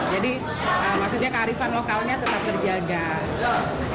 jadi maksudnya karifan lokalnya tetap terjaga